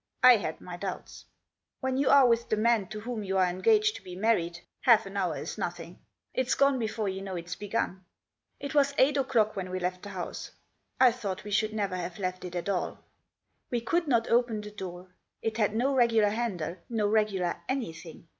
I had my doubts. When you are with the man to whom you are engaged to be married half an hour is nothing. It's gone before you know it's begun. It was eight o'clock when we left the house. I thought we should never have left it at all. We could not open the door. It had no regular handle ; no regular anything.